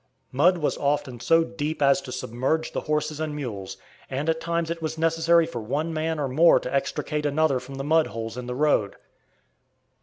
Mud was often so deep as to submerge the horses and mules, and at times it was necessary for one man or more to extricate another from the mud holes in the road.